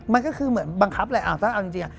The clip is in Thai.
มันก็คือเหมือนบังคับแหละถ้าเอาจริง